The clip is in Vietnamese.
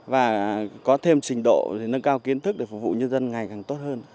và có thêm trình độ nâng cao kiến thức để phục vụ nhân dân ngày càng tốt hơn